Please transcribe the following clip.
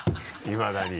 いまだに。